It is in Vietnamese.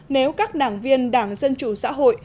nếu các đảng viên đảng dân chủ xã hội